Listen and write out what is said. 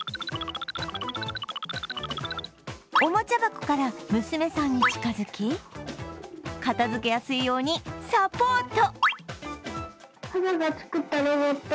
おもちゃ箱から、娘さんに近づき片付けやすいようにサポート。